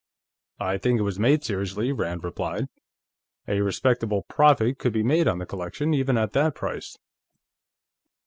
"I think it was made seriously," Rand replied. "A respectable profit could be made on the collection, even at that price."